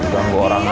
ganggu orang aja